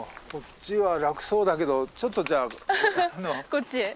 こっちへ。